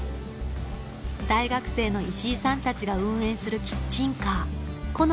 大学生の石井さんたちが運営するキッチンカー鴻ノ